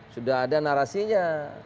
sudah ada narasinya